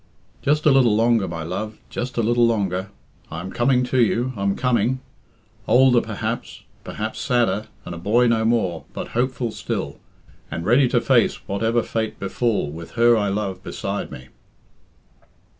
"Just a little longer, my love, just a little longer. I am coming to you, I am coming. Older, perhaps, perhaps sadder, and a boy no more, but hopeful still, and ready to face whatever fate befall, with her I love beside me."